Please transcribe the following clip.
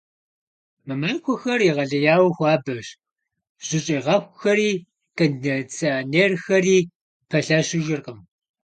Мы махуэхэр егъэлеяуэ хуабэщ, жьыщӏегъэхухэри кондиционерхэри пэлъэщыжыркъым.